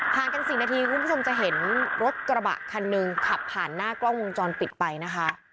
กัน๔นาทีคุณผู้ชมจะเห็นรถกระบะคันหนึ่งขับผ่านหน้ากล้องวงจรปิดไปนะคะ